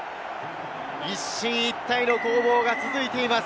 一進一退の攻防が続いています。